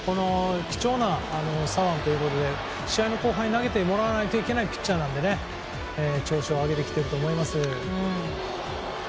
貴重な左腕ということで試合の後半に投げてもらわないといけないピッチャーなので調子を上げてきてると思います。